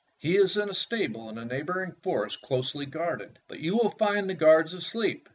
He is in a stable in the neighboring forest closely guarded, but you will find the guards asleep.